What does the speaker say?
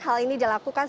hal ini dilakukan